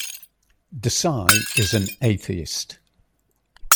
Desai is an atheist.